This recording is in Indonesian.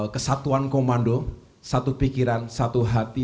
kesatuan komando satu pikiran satu hati